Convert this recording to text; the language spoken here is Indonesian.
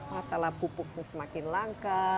masalah pupuk semakin langka